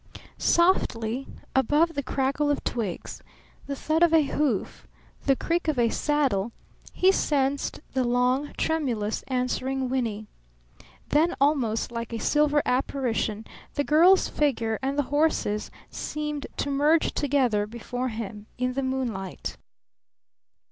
Softly above the crackle of twigs, the thud of a hoof, the creak of a saddle, he sensed the long, tremulous, answering whinny. Then almost like a silver apparition the girl's figure and the horse's seemed to merge together before him in the moonlight.